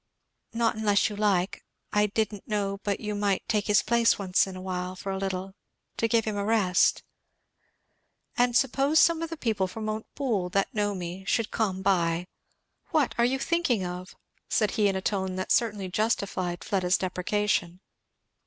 "Not unless you like, I didn't know but you might take his place once in a while for a little, to give him a rest, " "And suppose some of the people from Montepoole that know me should come by? What are you thinking of?" said he in a tone that certainly justified Fleda's deprecation.